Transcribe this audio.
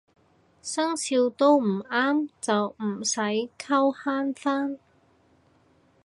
生肖都唔啱就唔使溝慳返